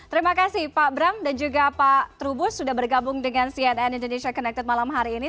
terima kasih pak bram dan juga pak trubus sudah bergabung dengan cnn indonesia connected malam hari ini